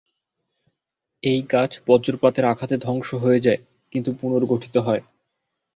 এই গাছ বজ্রপাতের আঘাতে ধ্বংস হয়ে যায়, কিন্তু পুনর্গঠিত হয়।